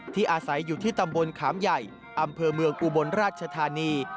อาศัยอยู่ที่ตำบลขามใหญ่อำเภอเมืองอุบลราชธานี